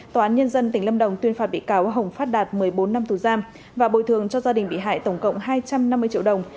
tòa án nhân dân tỉnh lâm đồng tuyên phạt bị cáo hồng phát đạt một mươi bốn năm tù giam và bồi thường cho gia đình bị hại tổng cộng hai trăm năm mươi triệu đồng